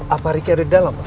apa riki ada dalam